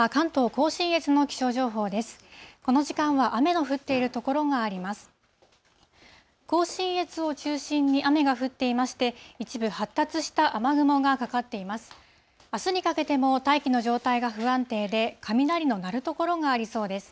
甲信越を中心に雨が降っていまして、一部、発達した雨雲がかかっています。